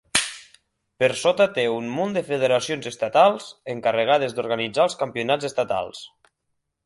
Per sota té un munt de federacions estatals encarregades d'organitzar els campionats estatals.